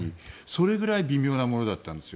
それぐらい微妙なものだったんです。